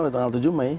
tanggal tujuh mei